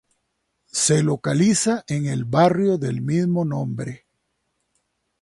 Se localiza en el barrio del mismo nombre.